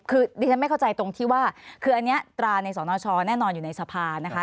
คือดิฉันไม่เข้าใจตรงที่ว่าคืออันนี้ตราในสนชแน่นอนอยู่ในสภานะคะ